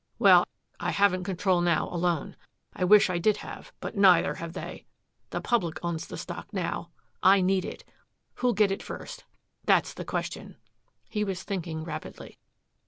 Well, I haven't control now, alone. I wish I did have. But neither have they. The public owns the stock now. I need it. Who'll get it first that's the question!" He was thinking rapidly.